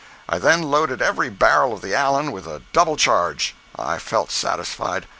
I then loaded every barrel of the Allen with a double charge. I felt satisfied.